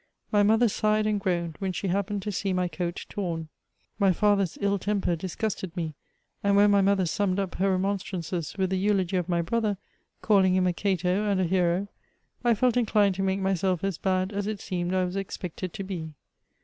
My mother sighed and groaned when she happened to see my coat torn. My father's ill temper disgusted me, and, when my mother summed up her remonstrances with the eulogy of my brother, calling him a Cato and a hero, I felt inclined to make myself as bad as it seemed I was expected to be.